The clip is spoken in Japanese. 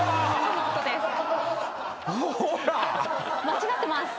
間違ってます。